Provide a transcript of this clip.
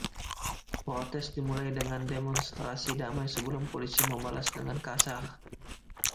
Protes dimulai dengan demonstrasi damai sebelum polisi membalas dengan kasar.